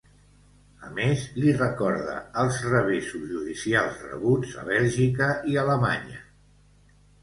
A més, li recorda els revessos judicials rebuts a Bèlgica i Alemanya.